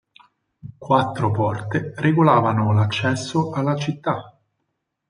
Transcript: Quattro porte regolavano l'accesso alla città.